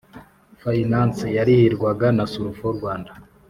Finance yarihirwaga na Surf Rwanda